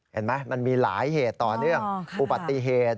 เห็นไหมมันมีหลายเหตุต่อเนื่องอุบัติเหตุ